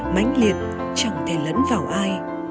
mánh liệt chẳng thể lẫn vào ai